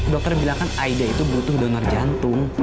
dokter bilang kan aida itu butuh donor jantung